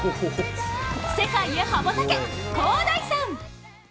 世界へ羽ばたけ、航大さん！